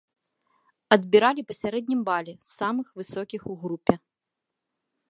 Адбіралі па сярэднім бале, з самых высокіх у групе.